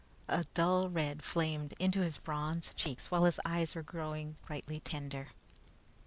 A dull red flamed into his bronze cheeks, while his eyes were growing brightly tender.